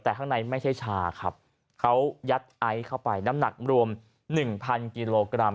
แต่ข้างในไม่ใช่ชาครับเขายัดไอซ์เข้าไปน้ำหนักรวม๑๐๐กิโลกรัม